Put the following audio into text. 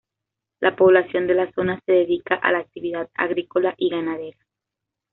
La población de la zona se dedica a la actividad agrícola y ganadera.